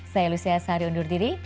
saya lucia sahari undur diri